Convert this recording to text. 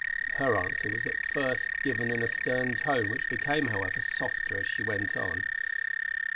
Her answer was at the first given in a stern tone which became, however, softer, as she went on.